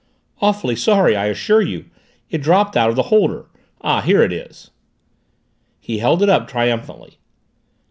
"Awfully sorry, I assure you it dropped out of the holder ah, here it is!" He held it up triumphantly.